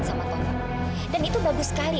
sama tony dan itu bagus sekali